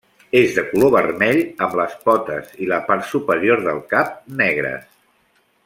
És de color vermell amb les potes i la part superior del cap negres.